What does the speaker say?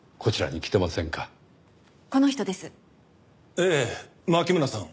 ええ牧村さん